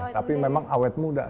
tapi memang awet muda